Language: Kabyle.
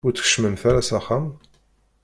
Ur tkeččmemt ara s axxam?